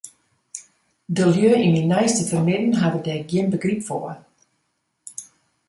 De lju yn myn neiste fermidden hawwe dêr gjin begryp foar.